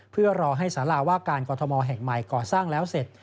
เพื่อรอให้สาราว่าการกรทมแห่งใหม่ก่อสร้างแล้วเสร็จ